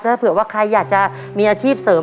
ถ้าเผื่อว่าใครอยากจะมีอาชีพเสริม